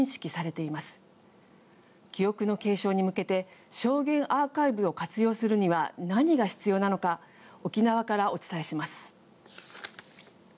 記憶の継承に向けて証言アーカイブを活用するには何が必要なのか沖縄からお伝えします。